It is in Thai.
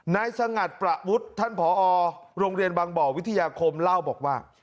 สงัดประวุฒิท่านผอโรงเรียนบางบ่อวิทยาคมเล่าบอกว่า